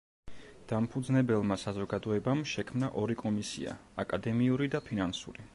დამფუძნებელმა საზოგადოებამ შექმნა ორი კომისია: აკადემიური და ფინანსური.